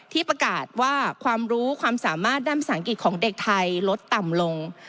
ที่ประกาศว่าความรู้ความสามารถด้านภาษาอังกฤษของเด็กไทยลดต่ำลง